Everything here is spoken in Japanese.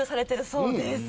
そうです。